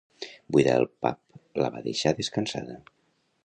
Buidar el pap la va deixar descansada.